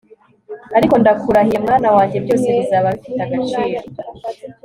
ariko ndakurahiye mwana wanjye byose bizaba bifite agaciro